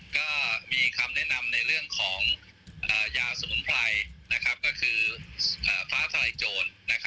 ก็มีคำแนะนำในเรื่องของยาสมุนไพรก็คือฟ้าทลายโจร